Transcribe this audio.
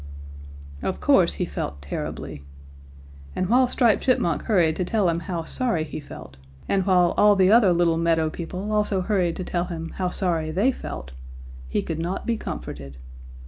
"Of course he felt terribly. And while Striped Chipmunk hurried to tell him how sorry he felt, and while all the other little meadow people also hurried to tell him how sorry they felt, he could not be comforted.